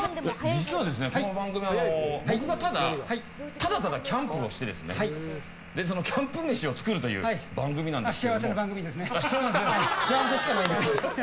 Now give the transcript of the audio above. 実は、この番組僕がただただキャンプをしてキャンプ飯を作るという番組なんですけど。